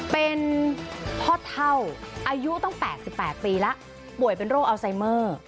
เป็นพ่อเท่าอายุตั้ง๘๘ปีแล้วป่วยเป็นโรคอัลไซเมอร์